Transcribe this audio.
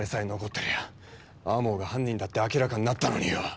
てりゃ天羽が犯人だって明らかになったのによ！